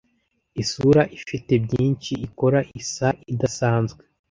Isura ifite byinshi ikora isa idasanzwe.